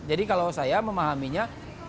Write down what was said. jadi kalau saya memahaminya